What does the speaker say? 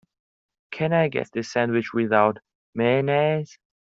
Can I get the sandwich without mayonnaise?